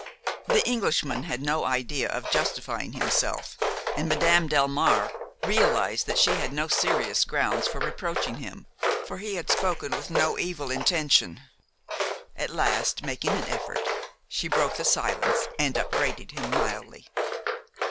The Englishman had no idea of justifying himelf, and Madame Delmare realized that she had no serious grounds for reproaching him, for he had spoken with no evil intention. At last, making an effort, she broke the silence and upbraided him mildly.